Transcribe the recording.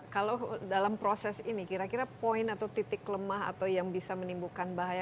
kalau dalam proses ini kira kira poin atau titik lemah atau yang bisa menimbulkan bahaya